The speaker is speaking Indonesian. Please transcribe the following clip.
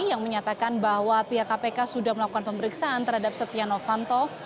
yang menyatakan bahwa pihak kpk sudah melakukan pemeriksaan terhadap setia novanto